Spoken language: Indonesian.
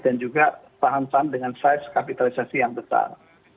dan juga tahan tahan dengan size kapitalisasi yang besar